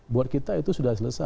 buat kita itu sudah selesai